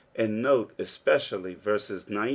and no(c especially verses 19.